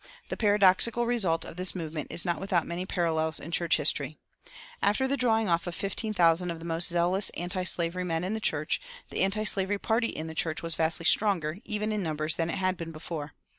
The paradoxical result of this movement is not without many parallels in church history: After the drawing off of fifteen thousand of the most zealous antislavery men in the church, the antislavery party in the church was vastly stronger, even in numbers, than it had been before.